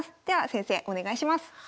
では先生お願いします。